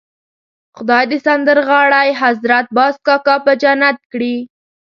خدای دې سندرغاړی حضرت باز کاکا په جنت کړي.